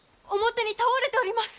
表に倒れております！